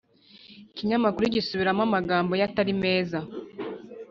Ikinyamakuru gisubiramo amagambo ye Atari meza